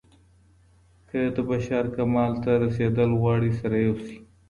که د بشر کمال ته رسېدل غواړئ سره يو سئ.